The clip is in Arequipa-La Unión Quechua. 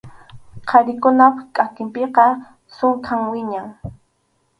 Qharikunap kʼakinpiqa sunkham wiñan.